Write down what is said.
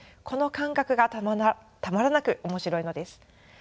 この感覚がたまらなく面白いのです。